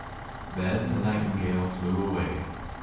" Then the nightingale flew away.